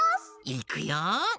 いくよ！